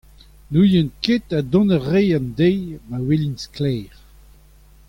N'ouzon ket ha dont a ray an deiz ma welimp sklaer.